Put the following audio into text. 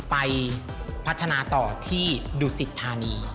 ไปพัฒนาต่อที่ดุสิทธานี